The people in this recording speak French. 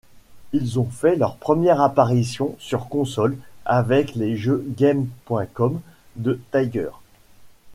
Ils ont fait leur première apparition sur console avec les jeux game.com de Tiger.